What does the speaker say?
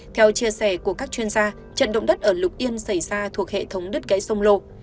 theo chia sẻ của các chuyên gia trận động đất ở lục yên xảy ra thuộc hệ thống đất gãy sông lô